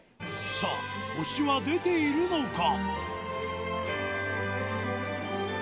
さあ、星は出ているのか。